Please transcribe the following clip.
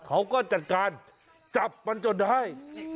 เขาก็จัดการจับมันจนได้